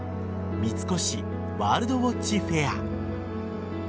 三越ワールドウォッチフェア。